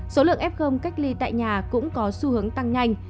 số lượng f cách ly tại nhà cũng có xu hướng tăng nhanh